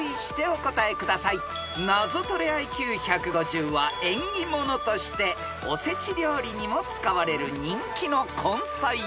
［ナゾトレＩＱ１５０は縁起物としておせち料理にも使われる人気の根菜です］